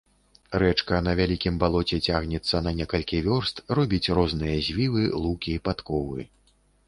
Рэчка на вялікім балоце цягнецца на некалькі вёрст, робіць розныя звівы, лукі, падковы.